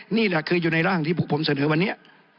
นี่แหละคืออยู่ในร่างที่พวกผมเสนอวันนี้